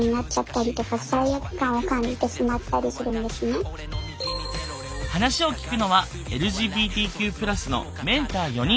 今回のテーマは話を聞くのはＬＧＢＴＱ＋のメンター４人。